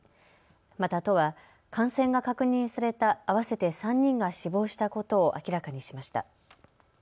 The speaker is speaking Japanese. また都は感染が確認された合わせて３人が死亡したことを明らかにしました。